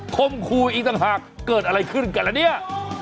คมคู่อีกต่างหากเกิดอะไรขึ้นกันละเนี่ย